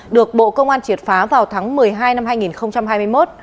được bộ công an triệt phá vào tháng một mươi hai năm hai nghìn hai mươi một